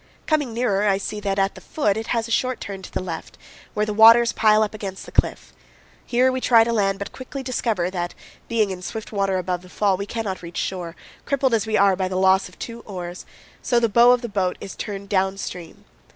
Coming nearer, I see that at the foot it has a short turn to the left, where the waters pile up against the cliff. Here we try to land, but quickly discover that, being in swift water above the fall, we cannot reach shore, crippled as we are by the loss of two oars; so the bow of the boat is turned down stream.